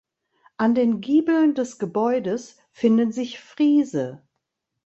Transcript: An den Giebeln des Gebäudes finden sich Friese.